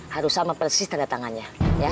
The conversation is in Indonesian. harus sama persis tanda tangannya